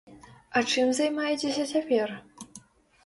А чым займаецеся цяпер?